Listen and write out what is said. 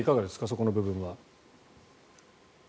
そこの部分は。